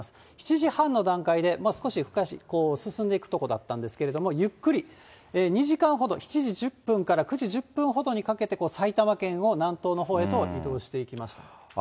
７時半の段階で、少し進んでいく所だったんですが、ゆっくり２時間ほど、７時１０分から９時１０分ごろにかけて埼玉県を南東のほうへと移動していきました。